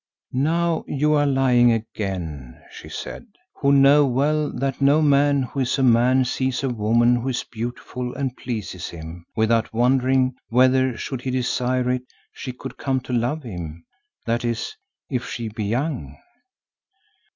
"Now you are lying again," she said, "who know well that no man who is a man sees a woman who is beautiful and pleases him, without wondering whether, should he desire it, she could come to love him, that is, if she be young."